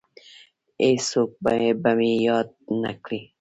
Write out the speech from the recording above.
هیڅوک به مې یاد نه کړي